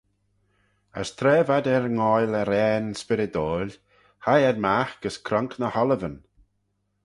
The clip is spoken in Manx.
As tra v'ad er nghoaill arrane spyrrydoil, hie ad magh gys cronk ny h-oliveyn.